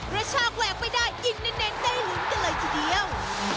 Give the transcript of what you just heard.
กระชากแหวกไม่ได้ยิงเน้นได้ลุ้นกันเลยทีเดียว